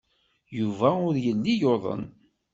Yuba ur yelli yuḍen.